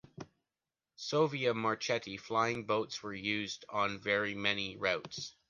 Savoia Marchetti flying boats were used on very many routes.